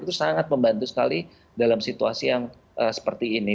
itu sangat membantu sekali dalam situasi yang seperti ini